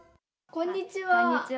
こんにちは。